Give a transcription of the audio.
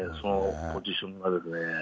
ポジションがですね。